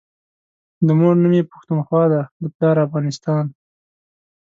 دمور نوم يی پښتونخوا دی دپلار افغانستان